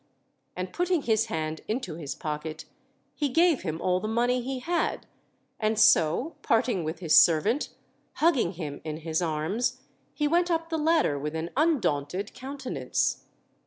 and putting his hand into his pocket he gave him all the money he had; and so parting with his servant, hugging him in his arms, he went up the ladder with an undaunted countenance.